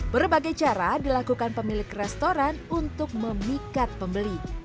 berbagai cara dilakukan pemilik restoran untuk memikat pembeli